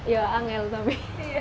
ya anggel tapi